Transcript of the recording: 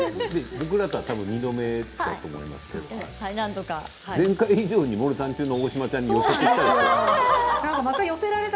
僕らとはたぶん２度目だと思いますけど前回以上に森三中の大島さんに寄せていただいて。